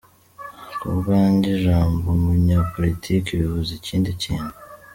Ku bwanjye ijambo umunyapolitiki bivuze ikindi kintu.